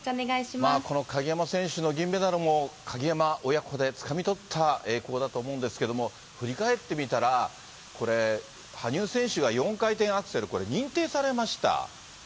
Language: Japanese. この鍵山選手の銀メダルも、鍵山親子でつかみ取った栄光だと思うんですけども、振り返ってみたら、これ、羽生選手が４回転アクセル、これ、認定されました。